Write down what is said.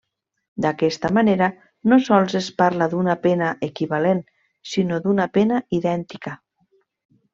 D'aquesta manera, no sols es parla d'una pena equivalent, sinó d'una pena idèntica.